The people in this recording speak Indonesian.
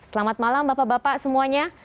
selamat malam bapak bapak semuanya